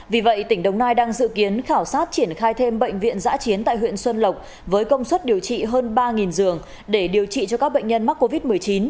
vì vậy tỉnh đồng nai đang dự kiến khảo sát triển khai thêm bệnh viện giã chiến tại huyện xuân lộc với công suất điều trị hơn ba giường để điều trị cho các bệnh nhân mắc covid một mươi chín